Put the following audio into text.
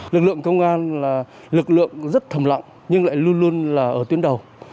lực lượng công an là lực lượng rất thầm lặng nhưng lại luôn luôn là ở tuyến đầu